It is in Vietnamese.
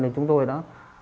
chúng tôi đã